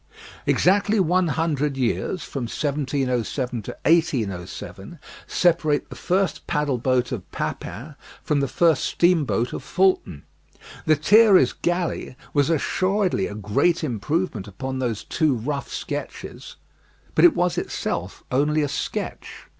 Exactly one hundred years from 1707 to 1807 separate the first paddle boat of Papin from the first steamboat of Fulton. "Lethierry's Galley" was assuredly a great improvement upon those two rough sketches; but it was itself only a sketch.